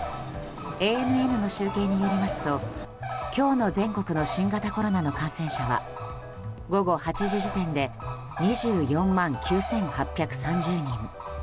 ＡＮＮの集計によりますと今日の全国の新型コロナの感染者は午後８時時点で２４万９８３０人。